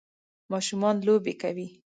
ماشومان لوبی کوی.